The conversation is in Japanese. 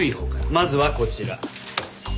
まずはこちら。